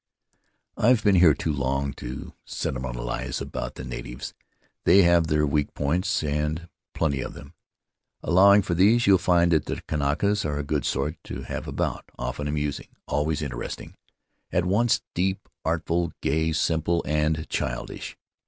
"I've been here too long to sentimentalize about the natives — they have their weak points, and plenty of them. Allowing for these, you'll find the Kanakas a good sort to have about — often amusing, always interesting; at once deep, artful, gay, simple, and childish.